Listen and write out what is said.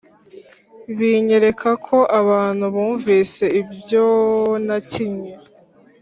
binyereka ko abantu bumvise ibyo nakinnye